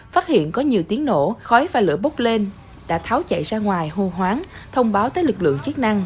phát hiện có nhiều tiếng nổ khói và lửa bốc lên đã tháo chạy ra ngoài hô hoáng thông báo tới lực lượng chức năng